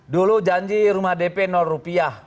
dulu janji rumah dp rupiah